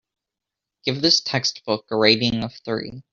Give this textbook a rating of three.